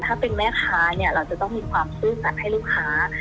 ถ้าเป็นแม่ค้าเนี่ยเราจะต้องมีความซื่อสัตว์ให้ลูกค้า